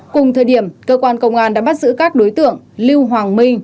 cùng thời điểm cơ quan công an đã bắt giữ các đối tượng lưu hoàng minh